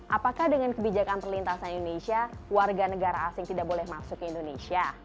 apakah dengan kebijakan perlintasan indonesia warga negara asing tidak boleh masuk ke indonesia